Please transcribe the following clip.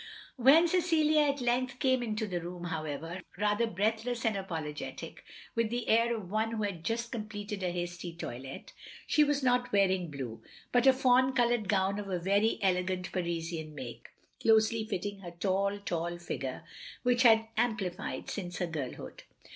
" When Cecilia at length came into the room, however, rather breathless and apologetic, — ^with the air of one who has just completed a hasty toilette, — she was not wearing blue, but a fawn coloured gown of a very elegant Parisian make, closely fitting her tall, full figure, which had amplified since her girlhood.